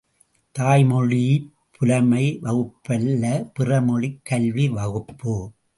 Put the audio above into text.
தாய்மொழிப் புலமை வகுப்பல்ல பிற மொழிக் கல்வி வகுப்பு.